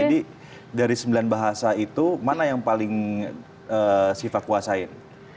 jadi dari sembilan bahasa itu mana yang paling siva kuasain